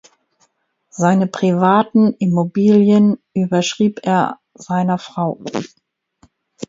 Seine privaten Immobilien überschrieb er seiner Frau.